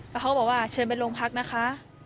แล้วเขาก็บอกว่าเชิญไปโรงพักนะคะ